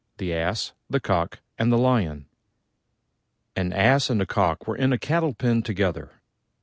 THE ASS, THE COCK, AND THE LION An Ass and a Cock were in a cattle pen together.